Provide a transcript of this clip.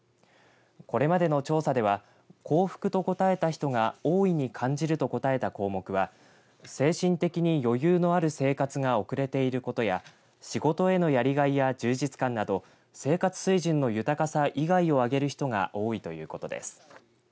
これまでの調査では幸福と答えた人が大いに感じると答えた項目は精神的に余裕のある生活が送れていることや仕事へのやりがいや充実感など生活水準の豊かさ以外を挙げる人が多いということです。